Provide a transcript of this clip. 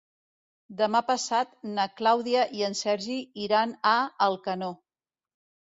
Demà passat na Clàudia i en Sergi iran a Alcanó.